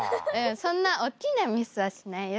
そんなおっきなミスはしないよ